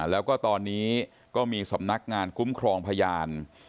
แล้วก็ตอนนี้ก็มีสำนักงานคุ้มครองพยาน